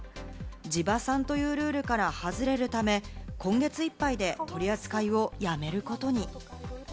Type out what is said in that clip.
地場産というルールから外れるため、今月いっぱいで取り扱いをやめることに。